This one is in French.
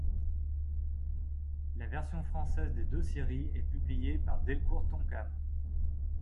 La version française des deux séries est publiée par Delcourt Tonkam.